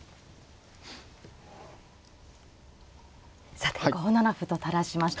さて５七歩と垂らしました。